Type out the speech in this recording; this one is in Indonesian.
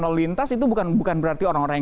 lalu lintas itu bukan bukan berarti orang orang yang